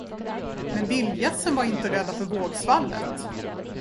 Men vildgässen var inte rädda för vågsvallet.